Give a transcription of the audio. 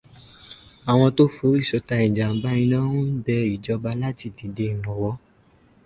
Àwọn tó forí sọta ìjàmbá iná ń bẹ ìjọba láti dìde ìrànwọ́